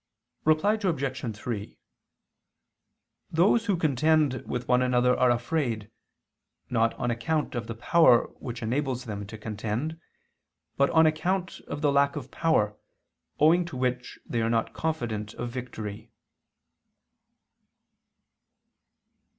Reply Obj. 3: Those who contend with one another are afraid, not on account of the power which enables them to contend: but on account of the lack of power, owing to which they are not confident of victory.